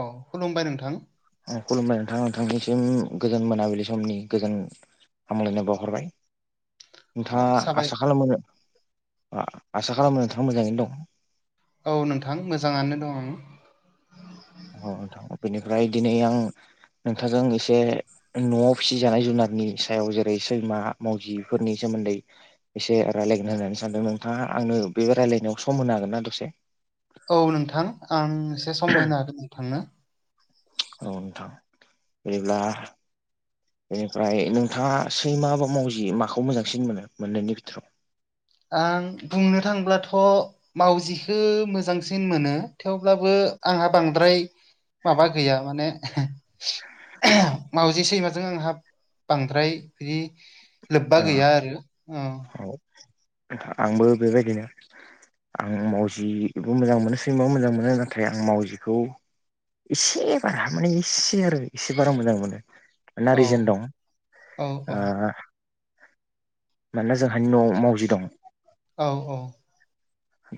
अ खुलुमबाय नोंथां खुलुमबाय नोंथां नोंथांनिसिम गोजोन मोनाबिलि समनि गोजोन हामलायनाय बावहरबाय। औ नोंथाङा साबाय आसा खालामोन आसा खालामो नोंथाङा मोजाङैनो दं औ नोंथां मोजाङानो दं आङो। अ नोंथां बेनिफ्राय दिनै आं नोंथां जों एसे न'आव फिसि जानाय जुनारनि सायाव जेरै सैमा, मावजिफोरनि सोमोन्दै एसे रायज्लायगोन होननानै सानदों नोंथाङा आंनो बे रायलायनायाव सम होनो हागोनना दसे? औ नोंथां आं एसे सम होनो हागोन नोंथांनो। औ नोंथां बिदिब्ला बेनिफ्राय नोंथाङा सैमा बा मावजि माखौ मोजांसिन मोनो मोननैनि बिथोराव? आं बुंनो थांब्लाथ' मावजिखौ मोजांसिन मोनो थेवब्लाबो आंहा बांद्राय माबा गैया माने। मावजि सैमाजों आंहा बांद्राय बिदि लोब्बा गैया ओ आरो। आंबो बेबायदिनो। आं मावजिबो मोजां मोनो सैमाबो मोजां मोनो नाथाय आं मावजिखौ एसे बारा माने एसे आरो एसे बारा मोजां मोनो। मानोना रिजोन औ दं। औ औ मानोना जोंहानि न'आव मावजि दं। औ औ।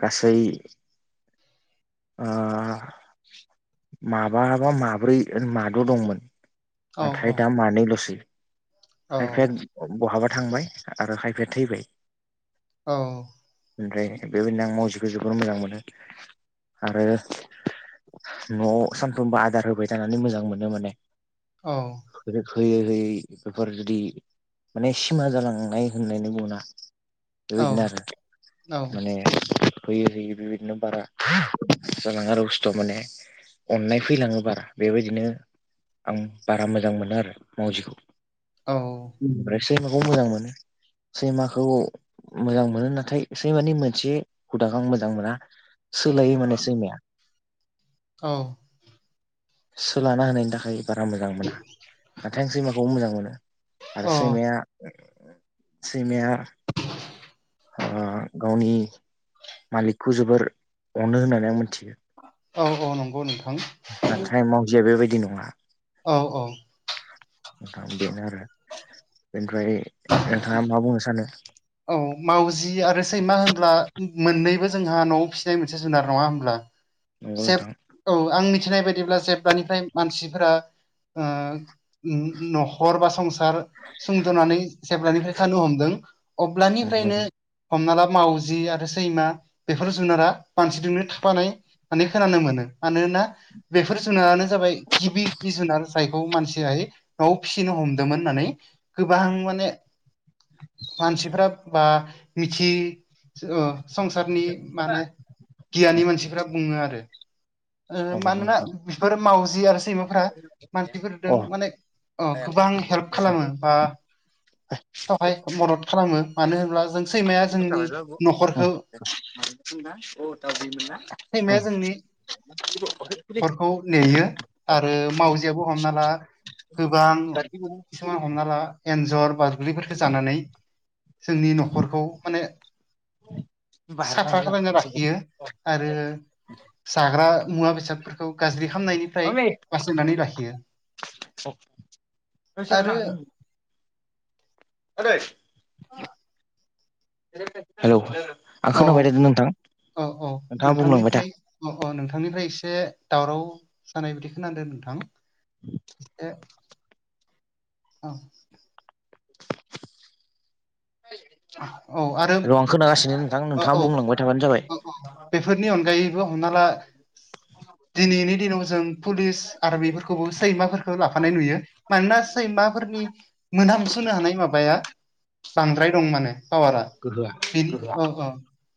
गासै। ओ माबाबा माब्रै माद' दंमोन। औ नाथाय दा मानैल'सै औ खायफाया बहाबा थांबाय आरो खायफाया थैबाय। औ। ओमफ्राय बेबायदिनो आं मावजिखौ जोबोर मोजां मोनो। आरो न'आव सानफ्रोमबो आदार होबाय थानानै मोजां मोनो माने। औ। होयै होयै बेफोर जुदि माने सिमा जालांनाय होननानै बुङोना। औ बेबायदिनो आरो माने होयै होयै बेबायदिनो बारा। जालाङो आरो बुस्थ' माने अननाय फैलाङो बारा बेबायदिनो आं बारा मोजां मोनो आरो मावजिखौ। सैमाखौ मोजां मोनो। सैमाखौ मोजां मोनो नाथाय सैमानि मोनसे हुदा आं मोजां मोना। सोलायो नालाय सैमाया। औ। सोलाना होनायनि थाखाय बारा मोजां मोना नाथाय आं सैमाखौ। मोजां मोनो औ आरो सैमाया सैमाया गावनि मालिकखौ जोबोर अनो होननानै आं मिथियो। औ औ नंगौ नोंथां नाथाय मावजिया बेबायदि नङा। औ-औ। नोंथां बेनो आरो बेनिफ्राय नोंथाङा मा बुंनो सानो? औ मावजि आरो सैमा होनब्ला मोन्नैबो जोंहा न'आव फिसिनाय मोनसे जुनार नङा होनब्ला? नंगौ नोंथां औ आं मिथिनाय बायदिब्ला जेब्लानिफ्राय मानसिफोरा। ओं। न'खर बा संसार सुंद'नानै जेब्लानिफ्राय थानो हमदों। हेलौ अब्लानिफ्रायनो। हमना ला मावजि आरो सैमा बेफोर जुनारा मानसिजोंनो थाफानाय माने खोनानो मोनो मानोना बेफोर जुनारानो जाबाय गिबि गिबि जुनार। मानसियाय न'आव फिसिनो हमदोंमोन होननानै गोबां माने [inaudible] मानसिफ्रा बा मिथि औ संसारनि माने गियानि मानसिफ्रा बुङो आरो। ओ मानोना बेफोरो मावजि आरो सैमाफोरा मानसिफोरजों माने अ गोबां हेल्प खालामो बा थहाय मदद खालामो मानो होनब्ला जों सैमाया ओंखाम जोंनि जाबाय बाबु न'खरखौ उम अ दाउदैमोनना सैमाया उम जोंनि नखरखौ नेयो आरो मावजियाबो हमना ला गोबां किसुमान हमना ला एन्जर बार गोगलैफोरखौ जानानै जोंनि न'खरखौ माने साफा खालामना लाखियो आरो जाग्रा मुवा बेसादफोर खौ गाज्रि खालामामनायनिफ्राय बासायनानै लाखियो। ओय आरो सियारआ ला मादै अ हेल' आ औ खोनाबायदा नों नोंथां नोंथाङा बुंलांबाय था। अ-अ नोंथांनिफ्राय एसे दावराव जानाय बिदि खोनादों नोंथां? ए औ औ आरो र' आं खोनागासिनो नोंथां औ औ नोंथाङा बुंलांबाय थाबानो जाबाय। औ बेफोरनि अनगायैबो हमना ला दिनैनि दिनाव जों पुलिस आर बिफोरखौबो सैमाफोरखौ लाफानाय नुयो। मानोना सैमाफोरनि मोनहामसुनो हानाय माबाया बांद्राय दं माने पावारा गोहोआ बेनि अ-अ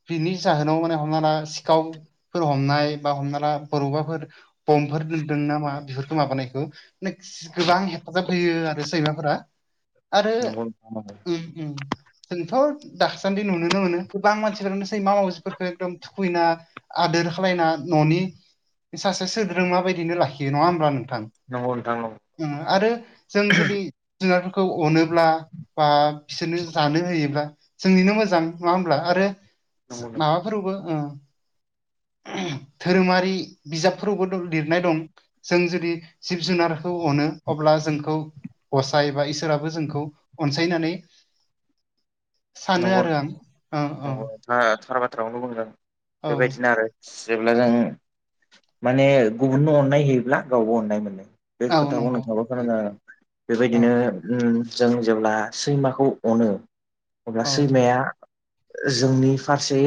पिकनि जाहोनाव माने हमना ला सिखावफोर हमनाय बा हमना ला बबेबाफोर बम्बफोर दोनदों ना मा बेफोरखौ माबानायखौ माने गोबां हेफाजाब होयो आरो सैमाफोरा आरो नंगौ नोंथां उम उम जोंथ' दाखासान्दि नुुनोनो मोनो गोबां मानसिफोरानो सैमा मावजिफोरखौ एकदम थुखैना आदोर खालायना न'नि सासे सोद्रोमा बायदिनो लाखियो नङा होमब्ला नोंथां? नंगौ नोंथां ओं आरो जों जुदि जुनारफोरखौ अनोब्ला बा बिसोरनो जानो होयोब्ला जोंनिनो मोजां नङा होमब्ला आरो नंगौ नंगौ माबाफोरावबो ओ धोरोमारि बिजाबफोरावबो लिरनाय दं। जों जुदि जिब जुनारखौ अनो अब्ला जोंखौ गसाइ बा इसोर इसोराबो जोंखौ अनसायनानै सानो आरो आं ओ अ ओ थार बाथ्राखौनो बुंदों बेबायदिनो आरो जेब्ला जों माने गुबुननो अननाय होयोब्ला गावबो अननाय मोनो। बे औ खोथाखौ नंगौ नोंथांङाबो गोनां जागोन औ बेबायदिनो उम जों जेब्ला सैमाखौ अनो अब्ला औ सैमाया जोंनि फारसे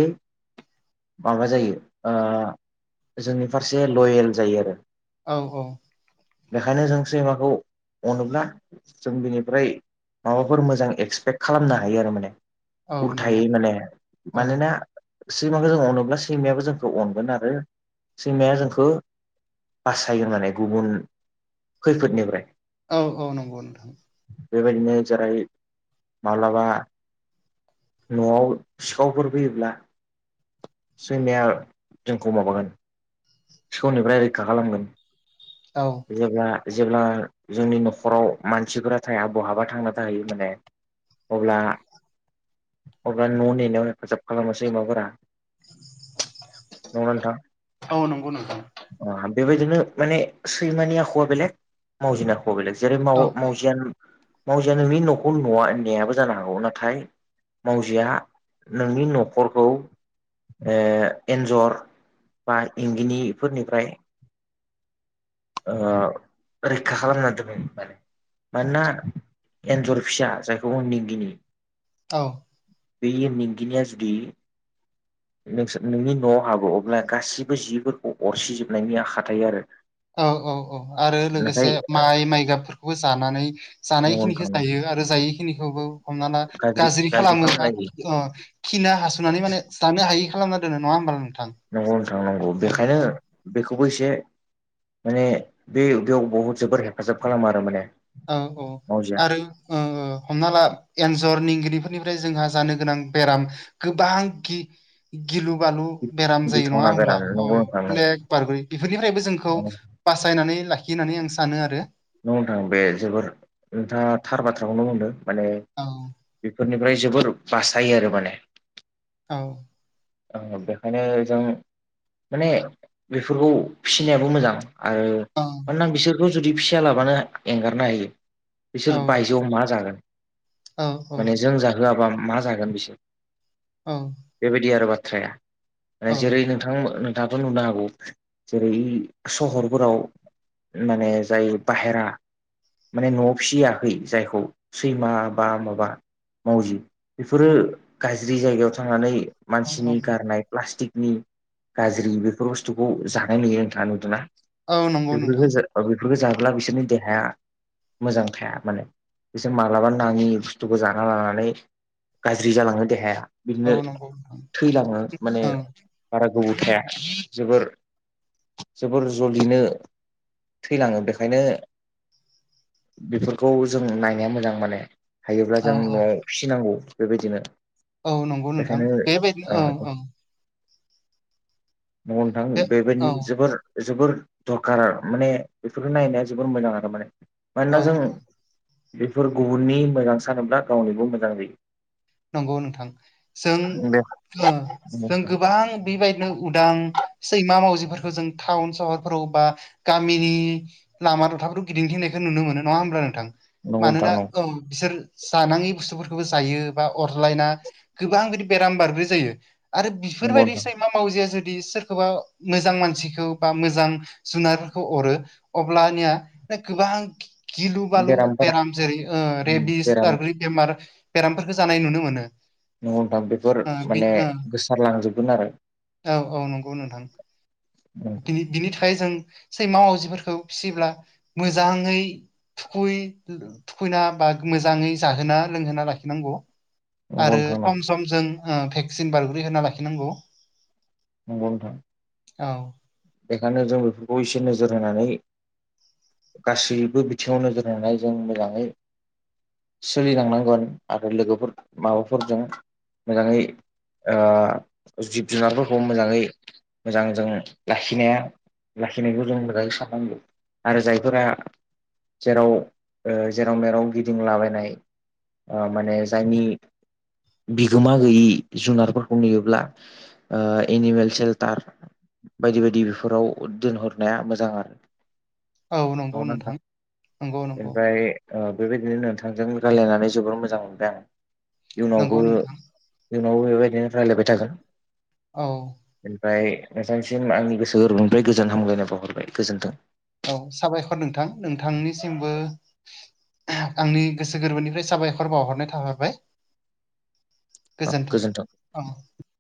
माबा जायो ओ जोंनि फारसे लयेल जायो आरो। औ औ। बेखायनो जों सैमाखौ अनोब्ला जों बिनिफ्राय माबाफोर मोजां एक्सपेक्ट खालामना हायो आरो माने औ नंगौ उथायै माने औ मानोना सैमाखौ जों अनोब्ला सैमायाबो जोंखौ अनगोन आरो सैमाया जोंखौ बासायगोन माने गुबुन खैफोदनिफ्राय औ औ नंगौ नोंथां। बेबायदिनो जेरै माब्लाबा न'आव सिखावफोर फैयोब्ला सैमाया जोंखौ माबागोन सिखौनिफ्राय रैखा खालामगोन। औ जेब्ला जेब्ला जोंनि न'खराव मानसिफोरा थाया बहाबा थांना थाहै माने अब्ला अब्ला न' नेनायाव हेफाजाब खालामनोसैमाफोरा नोंङा नोंथा? औ नंगौ नोंथां बेबायदिनो माने सैमानि आखुआ बेलेग मावजिना आखु आ बेलेग जेरै माव औ मावजिया मावजिया नोंनि न'खौ नवा नेनायाबो जानो हागौ नाथाय मावजिया नोंनि न'खरखौ ओ एन्जर बा इंगिनिफोरनिफ्राय ओ रैखा खालामना दोनो माने मानोना एन्जर फिसा जायखौ उननि गिनि औ। बेयो इंगिनिया जुदि नोंस नोंनि न'आव हाबो अब्ला गासिबो जिफोरखौ अरसिजोबनायनि आखा थायो आरो। औ औ औ आरो नाथाय लोगोसे माइ माइ गाबफोरखौबो जानानै नंगौ नोंथां जानायखिनिखौ नंगौ। जायो आरो जायैखिनिखौबो हमना ला गाज्रि खालामो बा ओ खिना हासुनानै माने जानो हायि खालामना दोनो नङा होमबा नोंथां? नंगौ नोंथां नंगौ औ बेखायनो औ बेखौबो एसे माने बे-बेयाव बहुद जोबोर हेफाजाब खालामो आरो माने औ औ मावजिया आरो ओ ओ हमना ला एन्जर निंगिनिफोरनिफ्राय जोंहा जानो गोनां बेराम गोबां गि गिलु बालु बेराम जायो नङा गिथावना होमब्ला बेराम नंगौ नोंथां नंगौ ब्लेक बारग'यो बेफोरनिफ्रायबो जोंखौ नंगौ बासायनानै लाखियो होननानै आं सानो आरो। न नोंथां बे जोबोर नोंथाङा थार बाथ्राखौनो होनदों माने औ बे फोरनिफ्राय जोबोर बासायो आरो माने औ। बेखायनो जों माने बेफोरखौ फिसिनायाबो मोजां आरो मानोना बिसोरखौ जुदि फिसा लाबानो एंगारनो हायो औ बिसोर बाय जियाव मा जागोन औ माने जों जाहोआबा मा जागोन बिसोर औ। बेबायदि आरो औ बाथ्राया जेरै नों थां नोंथाङाथ' नुनो हागौ जेरै सहरफोराव माने जाय बाहेरा माने न'आव फिसियाखै जायखौ सैमा बा माबा मावजि बेफोरो गाज्रि जायगायाव थांनानै औ औ मानसिनि गारनाय प्लास्टिकनि गाज्रि बेफोर बुस्थुखौ जानाय नुयो नोंथाङा नुदोंना? औ नंगौ नोंथां बेफोरखौ बेफोरखौ जाब्ला बिसोरनि देहाया मोजां थाया माने बिसोर मालाबा नाङि बुस्थुखौ जाना लानानै गाज्रि जालाङो देहाया औ बिदिनो नंगौ नोंथां थैलाङो माने औ कलत्े बारा गोबौ थाया जोबोर जोबोर जलिनो थैलानङो बेखायनो बेफोरखौ जों नायनाया मोजां माने हायोब्ला औ जों औ न'आव फिसिनांगौ बेबायदिनो औ नंगौ नोंथां बेखायनो ओ बेबायदिनो औ औ नंगौ नोंथां बे औ बेबायदिनो जोबोर जोबोर दरखार माने बेफोरखौ नायनाया जोबोर मोजां आरो माने औ मानोना जों बेफोर गुबुननि मोजां सानोब्ला गावनिबो मोजां जायो। नंगौ नोंथां जों बे ओ जों नंगौ गोबां बेबायदिनो उदां सैमा मावजिफोरखौ जों टाउन सहरफोराव बा गामिनि लामा दथाफोरखौ गिदिंथिनायखौ नुनो मोनो नङा होमब्ला नोंथां? नोंथां मानोना नंगौ औ बिसोर जानाङि बुस्थुफोरखौबो जायो बा अरलायना गोबां बेबादि बेराम बार जायो आरो नंगौ बेफोरबायदि नोंथां सैमा मा मावजिया जुदि सोरखौबा मोजां मानसिखौ बा मोजां जुनारफोरखौ अरो अब्लानिया गोबां गिलु बालु बेरामफोरा बेराम जेरै ओ रेदिस बेराम आरो बेराम खो जानाय नुनो मोनो नंगौ दा बेफोर ओ बि माने ओ गोसारलांजोबगोन आरो औ औ नंगौ नोंथां बि बिनि थाखाय जों सैमाजिफोरखौ फिसिब्ला मोजांङै थुखै थुखैना बा मोजांङै जाहोना लोंहोना लाखिनांगौ नंगौ आरो नोंथां सम नंगौ सम जों ओ भेक्सिन बारग्रै होना लाखिनांगौ। नंगौ नोंथां औ बेखायनो जों बेफोरखौ एसे नोजोर होनानै गासैबो बिथिंङाव नोजोर होनाय जों मोजांङै सोलिलांनांगोन आरो लोगोफोर माबाफोरजों मोजांङै ओ जिब जुनारफोरखौ मोजांङै मोजां जों लाखिनाया लाखिनायखौ जों मोजांङै साननांगौ आरो जायफोरा जेराव ओ जेराव मेराव गिदिंलाबायनाय ओ माने जायनि बिगोमा गैयि जुनारफोरखौ नुयोब्ला ओ एनिमेल सेल्टार बायदि बायदि बेफोराव दोनहरनाया मोजां आरो नंगौ ना नोंथां नंगौ नंगौ ओमफ्राय ओ बेबायदिनो नोंथांजों राय्लायनानै जोबोर मोजां मोनबाय आं इयुनावबो नंगौ नोंथां इयुनावबो बेबायदिनो रायलायबाय थागोन। औ ओमफ्राय नोथांनिसिम आंनि गोसो गोरबोनिफ्राय गोजोन हामलायनाय बावहरबाय गोजोन्थों। औ साबायखर नोंथां नोंथांनिसिमबो आंनि गोसो गोरबोनिफ्राय साबायखर बावहरनाय थाहरबाय। गोजोनथों गोजोन्थों ओं